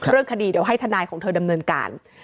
เรื่องคดีเดี๋ยวให้ทนายของเธอดำเนินการ